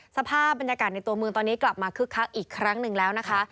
สภาพบรรยากาศในตัวเมืองตอนนี้กลับมาคึกคักอีกครั้งหนึ่งแล้วนะคะ